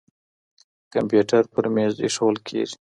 کمپيوټر پر مېز ايښوول کيږي.